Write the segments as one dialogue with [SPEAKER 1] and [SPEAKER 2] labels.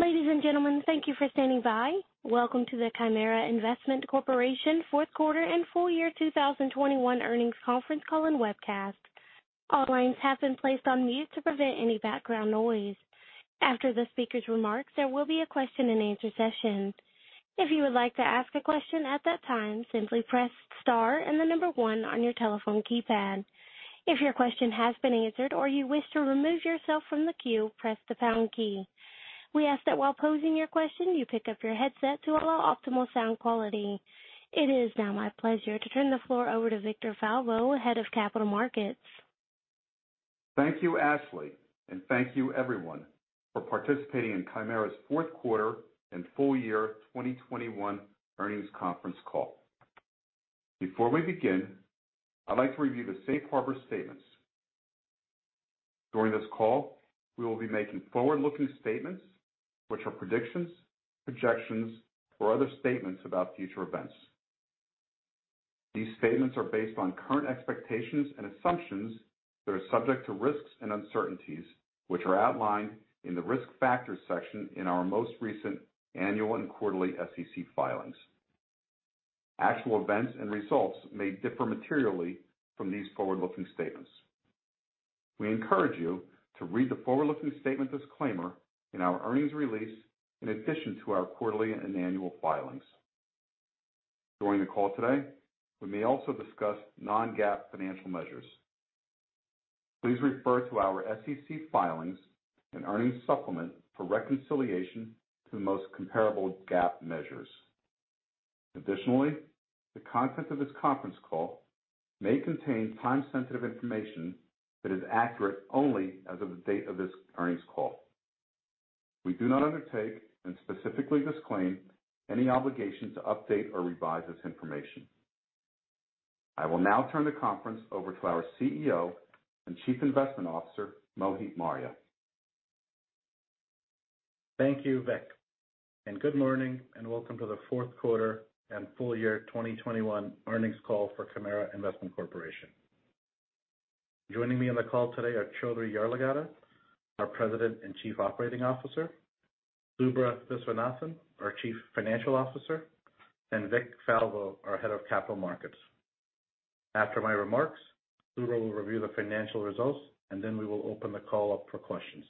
[SPEAKER 1] Ladies and gentlemen, thank you for standing by. Welcome to the Chimera Investment Corporation Fourth Quarter and Full Year 2021 Earnings Conference Call and Webcast. All lines have been placed on mute to prevent any background noise. After the speaker's remarks, there will be a question-and-answer session. If you would like to ask a question at that time, simply press star and the number one on your telephone keypad. If your question has been answered or you wish to remove yourself from the queue, press the Pound key. We ask that while posing your question, you pick up your headset to allow optimal sound quality. It is now my pleasure to turn the floor over to Victor Falvo, Head of Capital Markets.
[SPEAKER 2] Thank you, Ashley, and thank you everyone for participating in Chimera's fourth quarter and full year 2021 earnings conference call. Before we begin, I'd like to review the Safe Harbor statements. During this call, we will be making forward-looking statements, which are predictions, projections, or other statements about future events. These statements are based on current expectations and assumptions that are subject to risks and uncertainties, which are outlined in the Risk Factors section in our most recent annual and quarterly SEC filings. Actual events and results may differ materially from these forward-looking statements. We encourage you to read the forward-looking statement disclaimer in our earnings release in addition to our quarterly and annual filings. During the call today, we may also discuss non-GAAP financial measures. Please refer to our SEC filings and earnings supplement for reconciliation to the most comparable GAAP measures. Additionally, the content of this conference call may contain time-sensitive information that is accurate only as of the date of this earnings call. We do not undertake and specifically disclaim any obligation to update or revise this information. I will now turn the conference over to our CEO and Chief Investment Officer, Mohit Marria.
[SPEAKER 3] Thank you, Vic, and good morning and welcome to the fourth quarter and full year 2021 earnings call for Chimera Investment Corporation. Joining me on the call today are Choudhary Yarlagadda, our President and Chief Operating Officer, Subra Viswanathan, our Chief Financial Officer, and Vic Falvo, our Head of Capital Markets. After my remarks, Subra will review the financial results, and then we will open the call up for questions.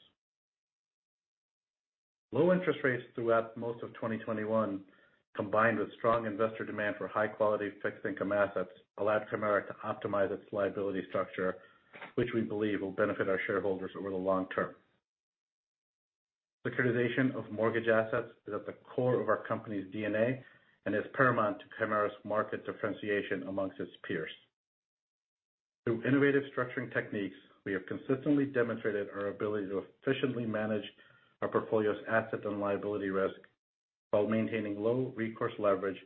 [SPEAKER 3] Low interest rates throughout most of 2021, combined with strong investor demand for high quality fixed income assets, allowed Chimera to optimize its liability structure, which we believe will benefit our shareholders over the long term. Securitization of mortgage assets is at the core of our company's DNA and is paramount to Chimera's market differentiation amongst its peers. Through innovative structuring techniques, we have consistently demonstrated our ability to efficiently manage our portfolio's asset and liability risk while maintaining low recourse leverage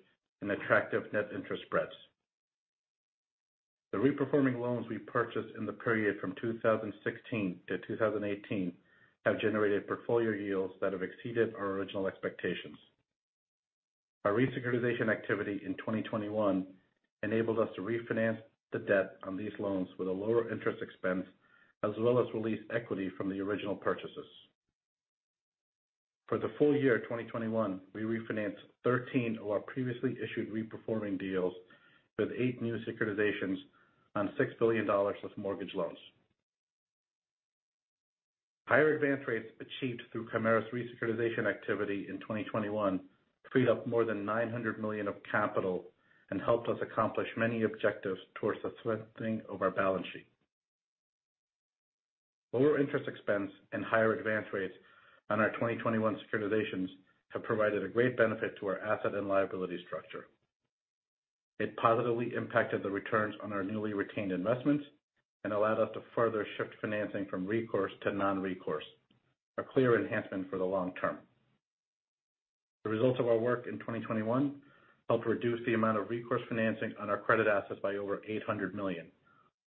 [SPEAKER 3] and attractive net interest spreads. The reperforming loans we purchased in the period from 2016 to 2018 have generated portfolio yields that have exceeded our original expectations. Our re-securitization activity in 2021 enabled us to refinance the debt on these loans with a lower interest expense as well as release equity from the original purchases. For the full year 2021, we refinanced 13 of our previously issued reperforming deals with eight new securitizations on $6 billion of mortgage loans. Higher advance rates achieved through Chimera's re-securitization activity in 2021 freed up more than $900 million of capital and helped us accomplish many objectives towards the strengthening of our balance sheet. Lower interest expense and higher advance rates on our 2021 securitizations have provided a great benefit to our asset and liability structure. It positively impacted the returns on our newly retained investments and allowed us to further shift financing from recourse to non-recourse, a clear enhancement for the long term. The results of our work in 2021 helped reduce the amount of recourse financing on our credit assets by over $800 million,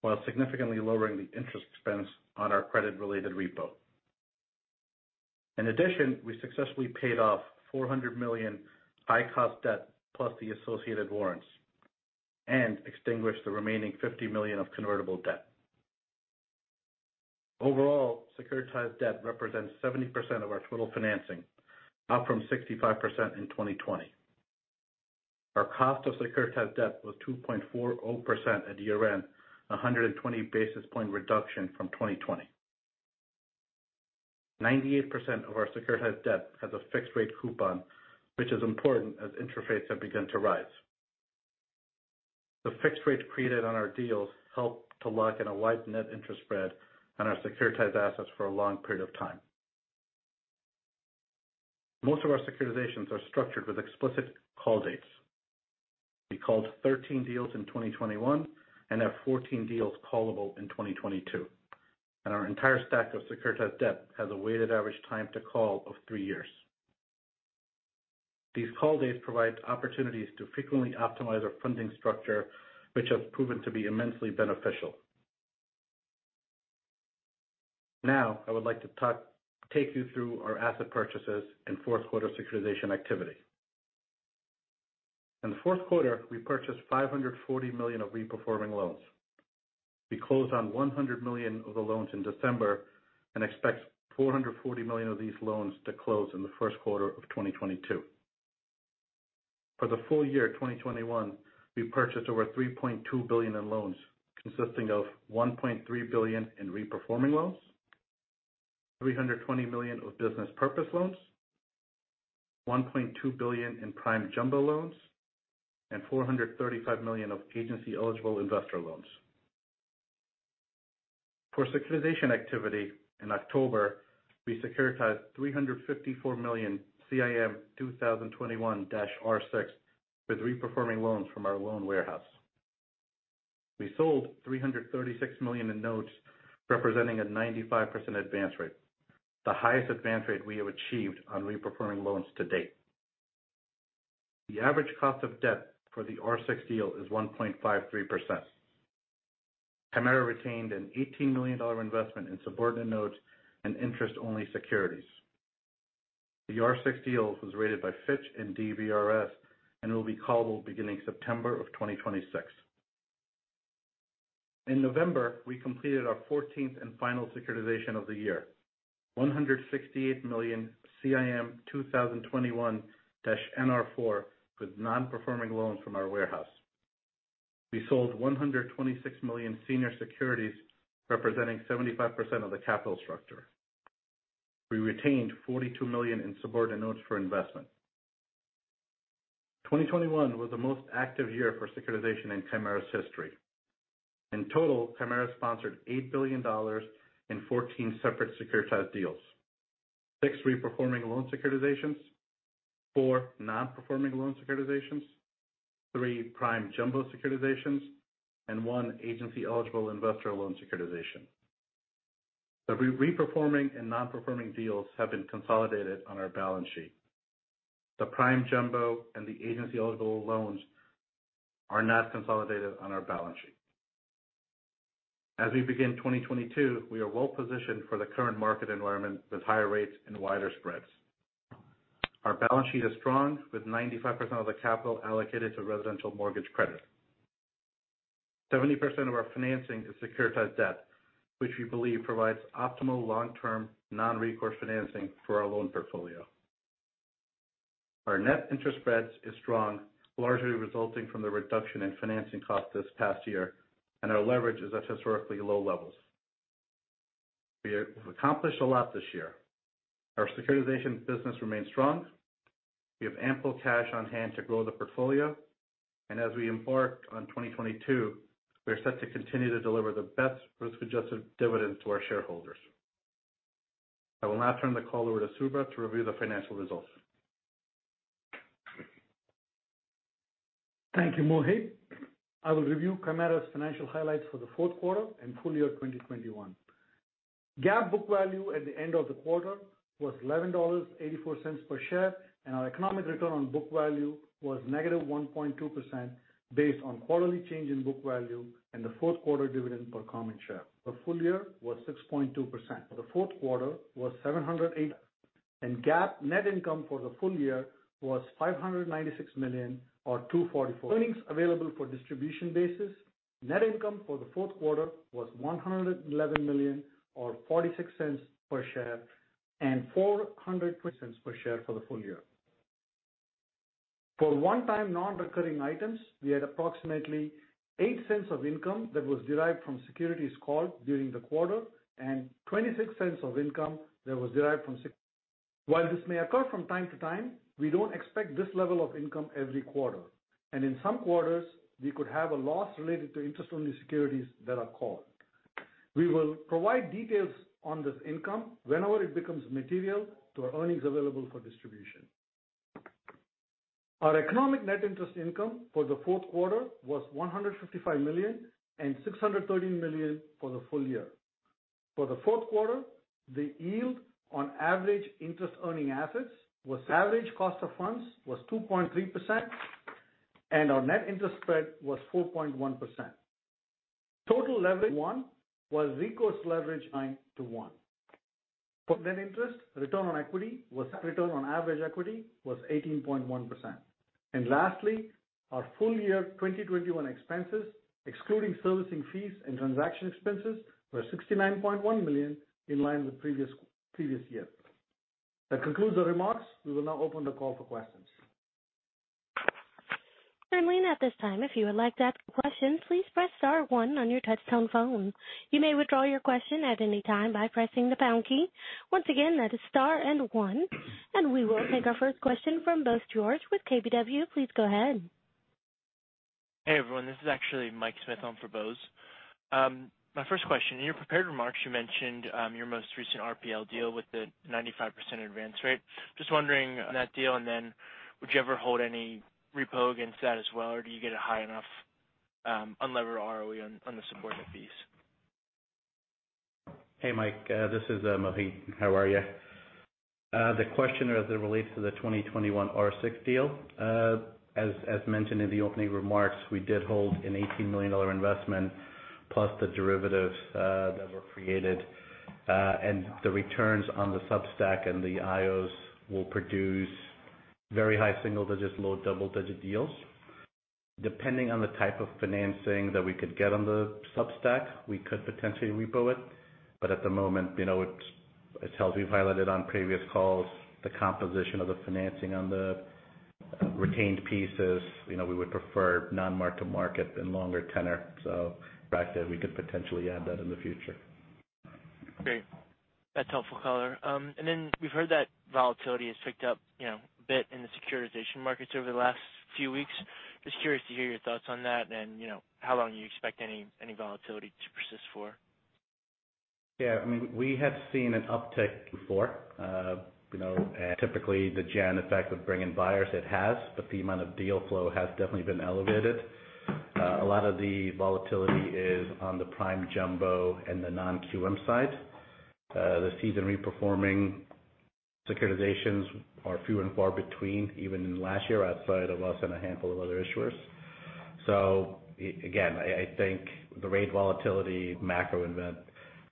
[SPEAKER 3] while significantly lowering the interest expense on our credit-related repo. In addition, we successfully paid off $400 million high-cost debt plus the associated warrants and extinguished the remaining $50 million of convertible debt. Overall, securitized debt represents 70% of our total financing, up from 65% in 2020. Our cost of securitized debt was 2.40% at year-end, a 120 basis point reduction from 2020. 98% of our securitized debt has a fixed rate coupon, which is important as interest rates have begun to rise. The fixed rates created on our deals help to lock in a wide net interest spread on our securitized assets for a long period of time. Most of our securitizations are structured with explicit call dates. We called 13 deals in 2021 and have 14 deals callable in 2022, and our entire stack of securitized debt has a weighted average time to call of three years. These call dates provide opportunities to frequently optimize our funding structure, which has proven to be immensely beneficial. Now, I would like to take you through our asset purchases and fourth quarter securitization activity. In the fourth quarter, we purchased $540 million of reperforming loans. We closed on $100 million of the loans in December and expect $440 million of these loans to close in the first quarter of 2022. For the full year 2021, we purchased over $3.2 billion in loans, consisting of $1.3 billion in reperforming loans, $320 million of business purpose loans, $1.2 billion in prime jumbo loans, and $435 million of agency eligible investor loans. For securitization activity in October, we securitized $354 million CIM 2021-R6 with reperforming loans from our loan warehouse. We sold $336 million in notes, representing a 95% advance rate, the highest advance rate we have achieved on reperforming loans to date. The average cost of debt for the R6 deal is 1.53%. Chimera retained an $18 million investment in subordinate notes and interest-only securities. The R6 deal was rated by Fitch and DBRS and will be callable beginning September 2026. In November, we completed our 14th and final securitization of the year, $168 million CIM 2021-NR4 with non-performing loans from our warehouse. We sold $126 million senior securities, representing 75% of the capital structure. We retained $42 million in subordinate notes for investment. 2021 was the most active year for securitization in Chimera's history. In total, Chimera sponsored $8 billion in 14 separate securitized deals. six reperforming loan securitizations, four non-performing loan securitizations, three prime jumbo securitizations, and one agency eligible investor loan securitization. The reperforming and non-performing deals have been consolidated on our balance sheet. The prime jumbo and the agency-eligible loans are not consolidated on our balance sheet. As we begin 2022, we are well positioned for the current market environment with higher rates and wider spreads. Our balance sheet is strong, with 95% of the capital allocated to residential mortgage credit. 70% of our financing is securitized debt, which we believe provides optimal long-term, non-recourse financing for our loan portfolio. Our net interest spreads is strong, largely resulting from the reduction in financing costs this past year, and our leverage is at historically low levels. We have accomplished a lot this year. Our securitization business remains strong. We have ample cash on hand to grow the portfolio. As we embark on 2022, we are set to continue to deliver the best risk-adjusted dividend to our shareholders. I will now turn the call over to Subra to review the financial results.
[SPEAKER 4] Thank you, Mohit. I will review Chimera's financial highlights for the fourth quarter and full year 2021. GAAP book value at the end of the quarter was $11.84 per share, and our economic return on book value was -1.2% based on quarterly change in book value and the fourth quarter dividend per common share. The full year was 6.2%. The dividend for the fourth quarter was $0.78. GAAP net income for the full year was $596 million or $2.44. On an Earnings available for distribution basis, net income for the fourth quarter was $111 million or $0.46 per share, and $4.00 per share for the full year. For one-time non-recurring items, we had approximately $0.08 of income that was derived from securities called during the quarter and $0.26 of income that was derived from securities. While this may occur from time to time, we don't expect this level of income every quarter. In some quarters, we could have a loss related to interest-only securities that are called. We will provide details on this income whenever it becomes material to our Earnings available for distribution. Our Economic net interest income for the fourth quarter was $155 million and $613 million for the full year. For the fourth quarter, the yield on average interest earning assets was 2.3%, and our net interest spread was 4.1%. Total leverage was X to one and recourse leverage was Y to one. Return on average equity was 18.1%. Lastly, our full year 2021 expenses, excluding servicing fees and transaction expenses, were $69.1 million, in line with previous year. That concludes the remarks. We will now open the call for questions.
[SPEAKER 1] Operator at this time. If you would like to ask a question, please press star one on your touch tone phone. You may withdraw your question at any time by pressing the pound key. Once again, that is star and one. We will take our first question from Bose George with KBW. Please go ahead.
[SPEAKER 5] Hey, everyone. This is actually Mike Smyth on for Bose. My first question, in your prepared remarks, you mentioned your most recent RPL deal with the 95% advance rate. Just wondering on that deal, and then would you ever hold any repo against that as well, or do you get a high enough unlevered ROE on the subordinate fees?
[SPEAKER 3] Hey, Mike, this is Mohit. How are you? The question as it relates to the 2021 R6 deal, as mentioned in the opening remarks, we did hold an $18 million investment Plus the derivatives that were created and the returns on the sub stack and the IOs will produce very high single digits, low double-digit yields. Depending on the type of financing that we could get on the sub stack, we could potentially repo it. At the moment, you know, it's as well we've highlighted on previous calls, the composition of the financing on the retained pieces. You know, we would prefer non-mark-to-market and longer tenor, so perhaps we could potentially add that in the future.
[SPEAKER 5] Great. That's helpful color. We've heard that volatility has picked up, you know, a bit in the securitization markets over the last few weeks. Just curious to hear your thoughts on that and, you know, how long you expect any volatility to persist for.
[SPEAKER 3] Yeah. I mean, we have seen an uptick before. You know, and typically the GSE effect of bringing buyers in has, but the amount of deal flow has definitely been elevated. A lot of the volatility is on the prime jumbo and the non-QM side. The seasoned reperforming securitizations are few and far between, even in last year, outside of us and a handful of other issuers. Again, I think the rate volatility macro event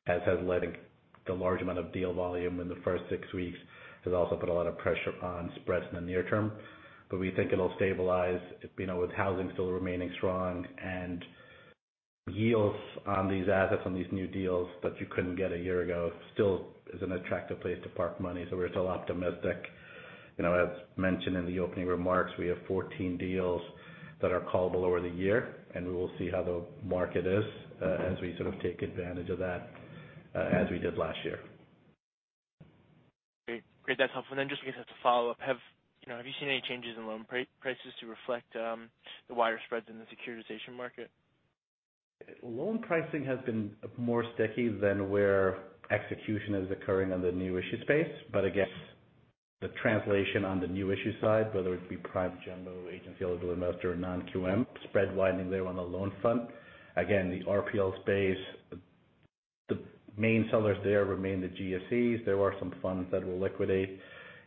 [SPEAKER 3] has led to the large amount of deal volume in the first six weeks, has also put a lot of pressure on spreads in the near term. We think it'll stabilize, you know, with housing still remaining strong and yields on these assets, on these new deals that you couldn't get a year ago, still is an attractive place to park money, so we're still optimistic. You know, as mentioned in the opening remarks, we have 14 deals that are callable over the year, and we will see how the market is, as we sort of take advantage of that, as we did last year.
[SPEAKER 5] Great. That's helpful. Then just as a follow-up, you know, have you seen any changes in loan prices to reflect the wider spreads in the securitization market?
[SPEAKER 3] Loan pricing has been more sticky than where execution is occurring on the new issue space. Again, the translation on the new issue side, whether it be prime jumbo, agency eligible investor or non-QM spread widening there on the loan front. Again, the RPL space, the main sellers there remain the GSEs. There are some funds that will liquidate.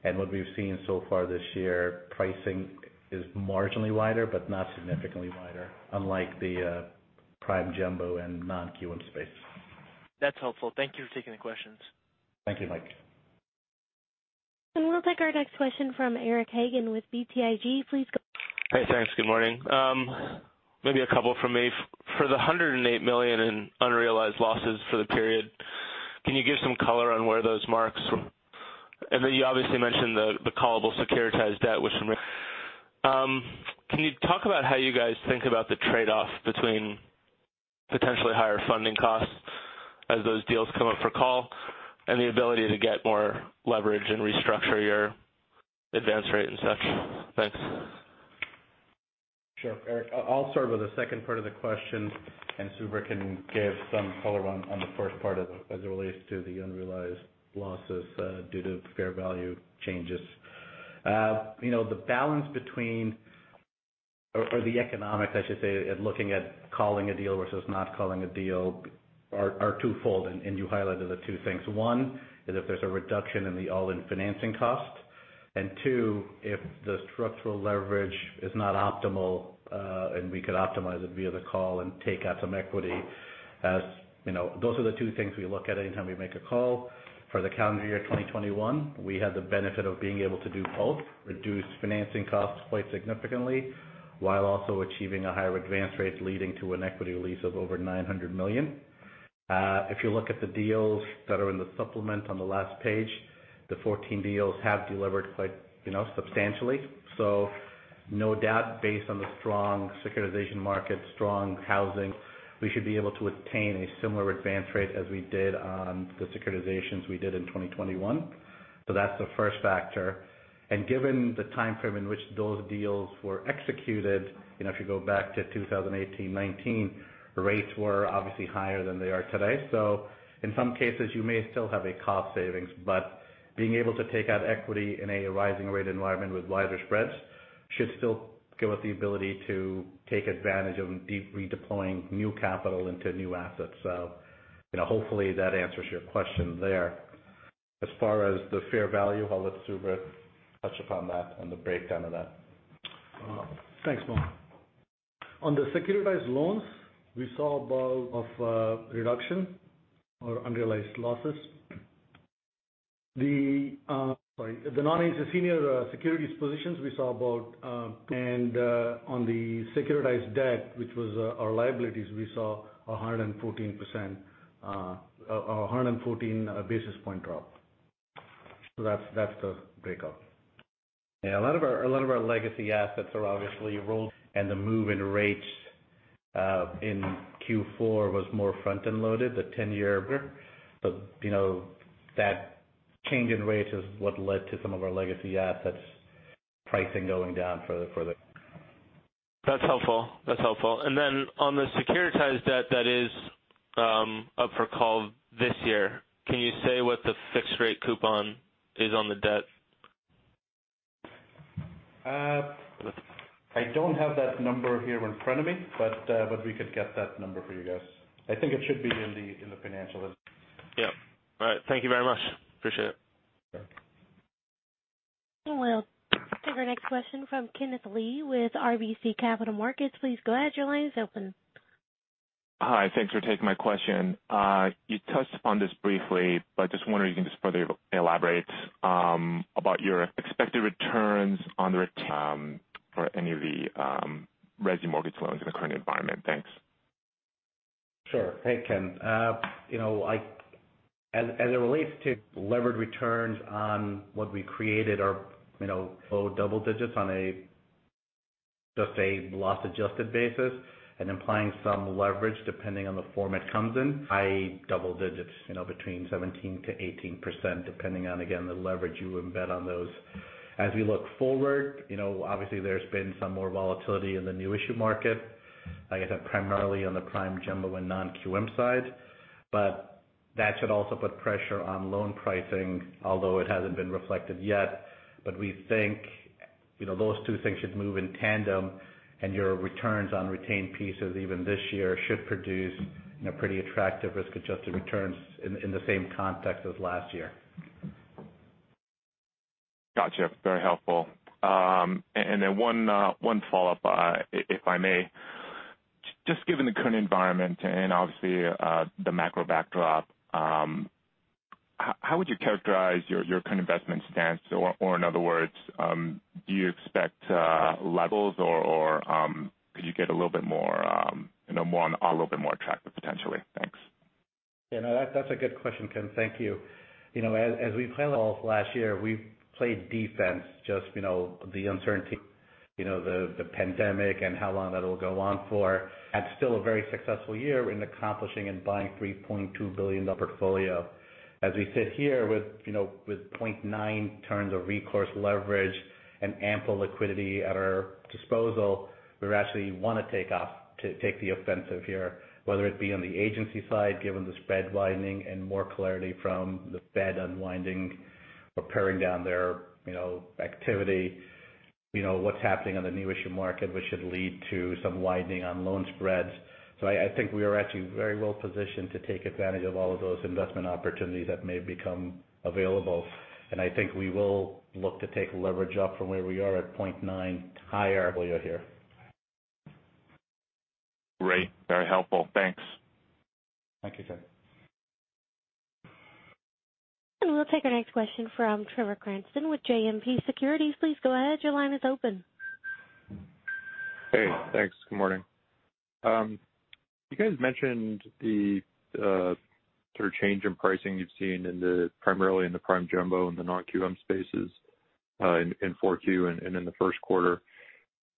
[SPEAKER 3] What we've seen so far this year, pricing is marginally wider, but not significantly wider, unlike the, prime jumbo and non-QM space.
[SPEAKER 5] That's helpful. Thank you for taking the questions.
[SPEAKER 3] Thank you, Mike.
[SPEAKER 1] We'll take our next question from Eric Hagen with BTIG. Please go ahead.
[SPEAKER 6] Hey, thanks. Good morning. Maybe a couple from me. For the $108 million in unrealized losses for the period, can you give some color on where those marks from? And then you obviously mentioned the callable securitized debt. Can you talk about how you guys think about the trade-off between potentially higher funding costs as those deals come up for call and the ability to get more leverage and restructure your advance rate and such? Thanks.
[SPEAKER 3] Sure. Eric, I'll start with the second part of the question and Subra can give some color on the first part as it relates to the unrealized losses due to fair value changes. You know, the balance between or the economics, I should say, at looking at calling a deal versus not calling a deal are twofold, and you highlighted the two things. One is if there's a reduction in the all-in financing cost. Two, if the structural leverage is not optimal, and we could optimize it via the call and take out some equity. You know, those are the two things we look at anytime we make a call. For the calendar year 2021, we had the benefit of being able to do both, reduce financing costs quite significantly while also achieving a higher advance rate leading to an equity release of over $900 million. If you look at the deals that are in the supplement on the last page, the 14 deals have delivered quite substantially. No doubt, based on the strong securitization market, strong housing, we should be able to obtain a similar advance rate as we did on the securitizations we did in 2021. That's the first factor. Given the timeframe in which those deals were executed, if you go back to 2018, 2019, rates were obviously higher than they are today. In some cases, you may still have a cost savings, but being able to take out equity in a rising rate environment with wider spreads should still give us the ability to take advantage of redeploying new capital into new assets. You know, hopefully that answers your question there. As far as the fair value, I'll let Subra touch upon that and the breakdown of that.
[SPEAKER 4] Thanks, Mo. On the securitized loans, we saw a reduction or unrealized losses. The Non-Agency senior securities positions and on the securitized debt, which was our liabilities, we saw a 114 basis point drop. That's the breakdown.
[SPEAKER 6] Yeah, a lot of our legacy assets are obviously rolled, and the move in rates in Q4 was more front-loaded, the 10-year. You know, that change in rates is what led to some of our legacy assets pricing going down further. That's helpful. On the securitized debt that is up for call this year, can you say what the fixed rate coupon is on the debt?
[SPEAKER 3] I don't have that number here in front of me, but we could get that number for you guys. I think it should be in the financial-
[SPEAKER 6] Yeah. All right. Thank you very much. Appreciate it.
[SPEAKER 1] We'll take our next question from Kenneth Lee with RBC Capital Markets. Please go ahead. Your line is open.
[SPEAKER 7] Hi. Thanks for taking my question. You touched upon this briefly, but just wondering if you can just further elaborate about your expected returns on the resi mortgage loans in the current environment. Thanks.
[SPEAKER 3] Sure. Hey, Ken. You know, as it relates to levered returns on what we created are, you know, low double digits on a loss-adjusted basis. Implying some leverage depending on the form it comes in, high double digits, you know, between 17%-18%, depending on, again, the leverage you embed on those. As we look forward, you know, obviously there's been some more volatility in the new issue market, I guess primarily on the prime jumbo and non-QM side. That should also put pressure on loan pricing, although it hasn't been reflected yet. We think, you know, those two things should move in tandem and your returns on retained pieces even this year should produce, you know, pretty attractive risk-adjusted returns in the same context as last year.
[SPEAKER 7] Gotcha. Very helpful. One follow-up, if I may. Just given the current environment and obviously, the macro backdrop, how would you characterize your current investment stance? In other words, do you expect levels or could you get a little bit more attractive potentially? Thanks.
[SPEAKER 3] Yeah. No, that's a good question, Ken. Thank you. You know, as we planned last year, we played defense just, you know, the uncertainty, you know, the pandemic and how long that'll go on for. We had still a very successful year in accomplishing and buying $3.2 billion portfolio. As we sit here with, you know, 0.9x recourse leverage and ample liquidity at our disposal, we actually want to take the offensive here, whether it be on the agency side, given the spread widening and more clarity from the Fed unwinding or paring down their, you know, activity. You know what's happening on the new issue market, which should lead to some widening on loan spreads. I think we are actually very well positioned to take advantage of all of those investment opportunities that may become available. I think we will look to take leverage up from where we are at 0.9 higher here.
[SPEAKER 7] Great. Very helpful. Thanks.
[SPEAKER 3] Thank you, Ken.
[SPEAKER 1] We'll take our next question from Trevor Cranston with JMP Securities. Please go ahead. Your line is open.
[SPEAKER 8] Hey, thanks. Good morning. You guys mentioned the sort of change in pricing you've seen primarily in the prime jumbo and the non-QM spaces in Q4 and in the first quarter.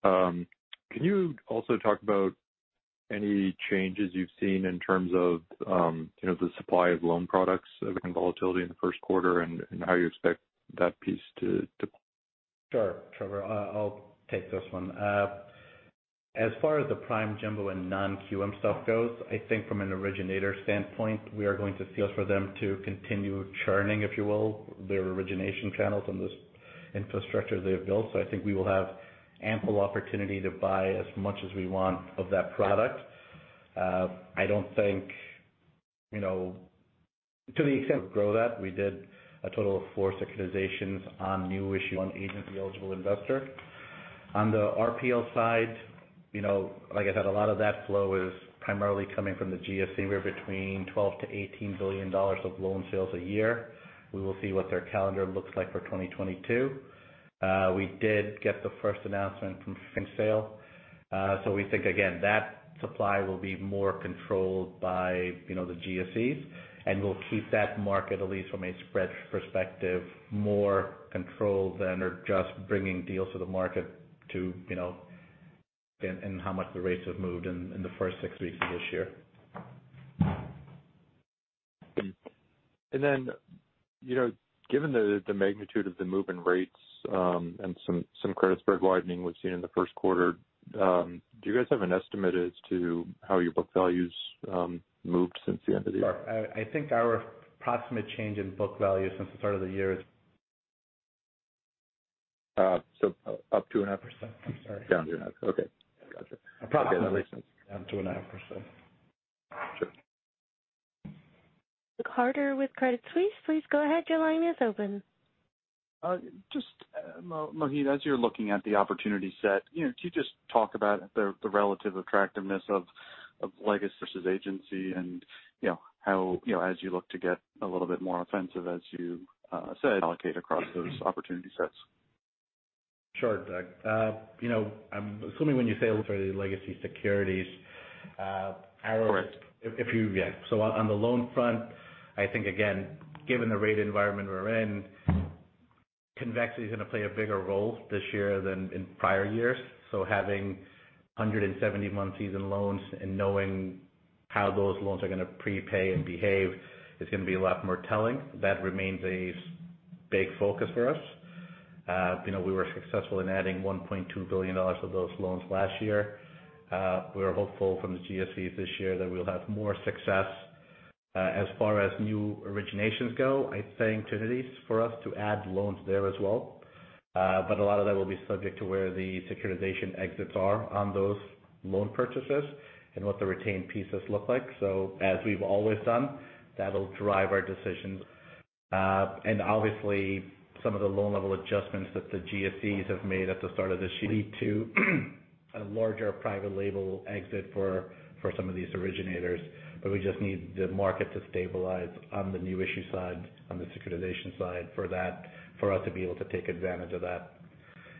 [SPEAKER 8] Can you also talk about any changes you've seen in terms of you know the supply of loan products given volatility in the first quarter and how you expect that piece to
[SPEAKER 3] Sure, Trevor. I'll take this one. As far as the prime jumbo and non-QM stuff goes, I think from an originator standpoint, we are going to see them continue churning, if you will, their origination channels on this infrastructure they have built. I think we will have ample opportunity to buy as much as we want of that product. I don't think, you know, to the extent that we did a total of four securitizations on new issue on agency eligible investor. On the RPL side, you know, like I said, a lot of that flow is primarily coming from the GSEs. There are $12 billion-$18 billion of loan sales a year. We will see what their calendar looks like for 2022. We did get the first announcement from Fannie Mae. We think again that supply will be more controlled by, you know, the GSEs. We'll keep that market at least from a spread perspective more controlled than us just bringing deals to the market too, you know, and how much the rates have moved in the first six weeks of this year.
[SPEAKER 8] Then, you know, given the magnitude of the move in rates, and some credit spread widening we've seen in the first quarter, do you guys have an estimate as to how your book values moved since the end of the year?
[SPEAKER 3] I think our approximate change in book value since the start of the year is.
[SPEAKER 8] Up 2.5%. I'm sorry. Down 2.5%. Okay. Gotcha.
[SPEAKER 3] Approximately down 2.5%.
[SPEAKER 8] Sure.
[SPEAKER 1] Doug Harter with Credit Suisse. Please go ahead. Your line is open.
[SPEAKER 9] Just, Mohit, as you're looking at the opportunity set, you know, can you just talk about the relative attractiveness of legacy versus agency and, you know, how, you know, as you look to get a little bit more offensive as you said allocate across those opportunity sets?
[SPEAKER 3] Sure. You know, I'm assuming when you say legacy securities.
[SPEAKER 9] Of course.
[SPEAKER 3] On the loan front, I think again, given the rate environment we're in, convexity is gonna play a bigger role this year than in prior years. Having 170-month seasoned loans and knowing how those loans are gonna prepay and behave is gonna be a lot more telling. That remains a big focus for us. You know, we were successful in adding $1.2 billion of those loans last year. We are hopeful from the GSEs this year that we'll have more success. As far as new originations go, I'd say opportunities for us to add loans there as well. But a lot of that will be subject to where the securitization exits are on those loan purchases and what the retained pieces look like. As we've always done, that'll drive our decisions. Obviously some of the loan level adjustments that the GSEs have made at the start of this year lead to a larger private label exit for some of these originators. We just need the market to stabilize on the new issue side, on the securitization side for that, for us to be able to take advantage of that.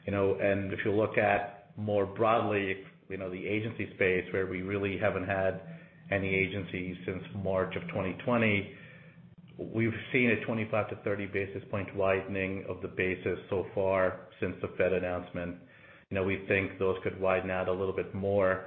[SPEAKER 3] You know, if you look at more broadly, you know, the agency space where we really haven't had any agencies since March of 2020. We've seen a 25-30 basis point widening of the basis so far since the Fed announcement. You know, we think those could widen out a little bit more.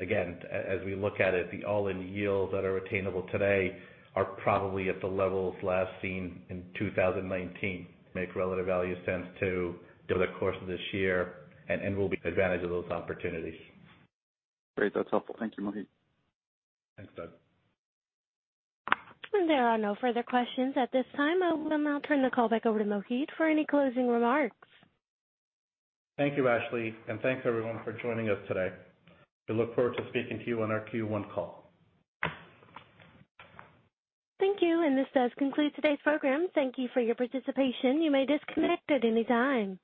[SPEAKER 3] Again, as we look at it, the all-in yields that are attainable today are probably at the levels last seen in 2019 to make relative value sense over the course of this year, and we'll take advantage of those opportunities.
[SPEAKER 9] Great. That's helpful. Thank you, Mohit.
[SPEAKER 3] Thanks, Doug.
[SPEAKER 1] There are no further questions at this time. I will now turn the call back over to Mohit for any closing remarks.
[SPEAKER 3] Thank you, Ashley. Thanks everyone for joining us today. We look forward to speaking to you on our Q1 call.
[SPEAKER 1] Thank you. This does conclude today's program. Thank you for your participation. You may disconnect at any time.